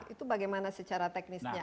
itu bagaimana secara teknisnya